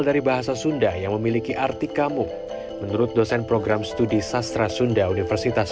dari bahasa sunda yang memiliki arti kamu menurut dosen program studi sastra sunda universitas